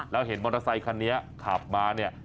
แล้วเห็นมอเตอร์ไซคันนี้ขับมาเนี่ย